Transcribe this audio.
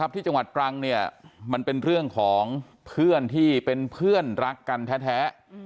ที่จังหวัดตรังเนี่ยมันเป็นเรื่องของเพื่อนที่เป็นเพื่อนรักกันแท้